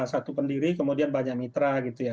satu pendiri kemudian banyak mitra gitu ya